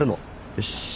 よし。